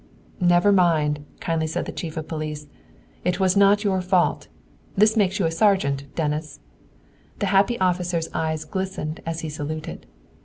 "Never mind," kindly said the chief of police. "It was not your fault! This makes you a Sergeant, Dennis." The happy officer's eyes glistened as he saluted.